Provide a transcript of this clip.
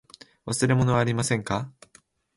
忘れ物はありませんか。